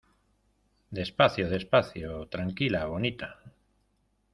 despacio. despacio . tranquila, bonita .